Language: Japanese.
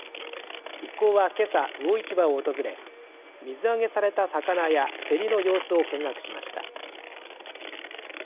一行は、けさ魚市場を訪れ水揚げされた魚や競りの様子を見学しました。